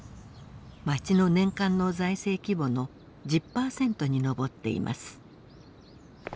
町の年間の財政規模の１０％に上っています。